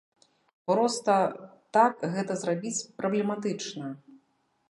Проста так гэта зрабіць праблематычна.